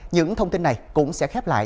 những thông tin này cũng sẽ khép lại